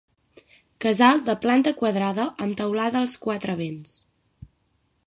Casal de planta quadrada amb teulada als quatre vents.